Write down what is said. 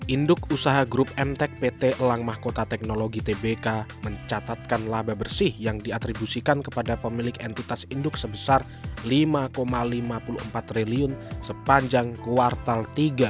induk usaha grup mtek pt elang mahkota teknologi tbk mencatatkan laba bersih yang diatribusikan kepada pemilik entitas induk sebesar rp lima lima puluh empat triliun sepanjang kuartal tiga